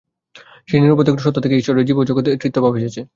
সেই নিরুপাধিক সত্তা থেকেই ঈশ্বর, জীব ও জগৎ এই ত্রিত্বভাব এসেছে।